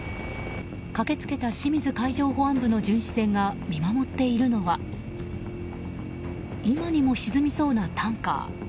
駆け付けた清水海上保安部の巡視船が見守っているのは今にも沈みそうなタンカー。